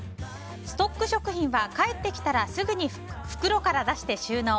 ストック食品は帰ってきたらすぐに袋から出して収納。